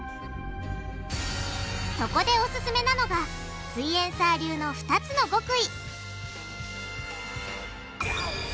そこでオススメなのがすイエんサー流の２つの極意！